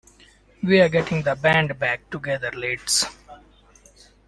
We're getting the band back together lads!.